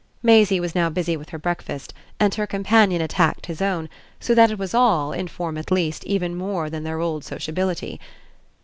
Maisie was now busy with her breakfast, and her companion attacked his own; so that it was all, in form at least, even more than their old sociability.